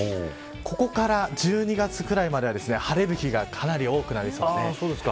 ここから１２月ぐらいまでは晴れる日がかなり多くなりそうです。